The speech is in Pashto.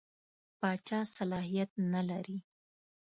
پاچا صلاحیت نه لري.